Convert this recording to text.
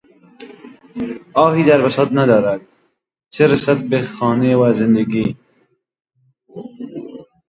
آهی در بساط ندارد، چه رسد به خانه و زندگی!